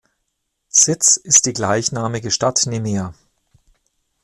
Sitz ist die gleichnamige Stadt Nemea.